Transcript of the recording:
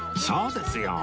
そうですよ。